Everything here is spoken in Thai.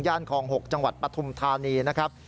คลอง๖จังหวัดปฐุมธานีนะครับ